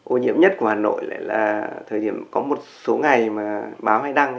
ô nhiễm nhất của hà nội lại là thời điểm có một số ngày mà báo hay đăng